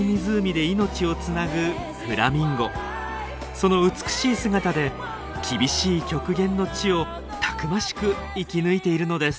その美しい姿で厳しい極限の地をたくましく生き抜いているのです。